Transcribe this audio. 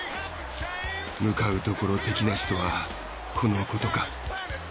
向かうところ敵なしとはこのことか。